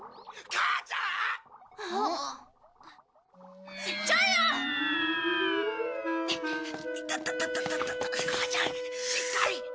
母ちゃんしっかり！